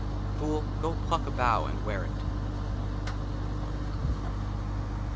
FOOL, GO PLUCK A BOUGH AND WEAR IT.